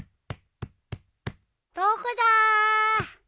どこだ？